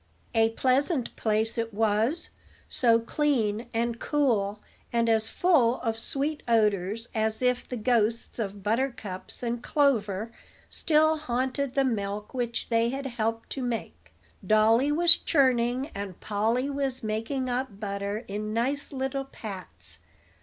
A pleasant place it was, so clean and cool, and as full of sweet odors as if the ghosts of buttercups and clover still haunted the milk which they had helped to make. Dolly was churning, and Polly was making up butter in nice little pats.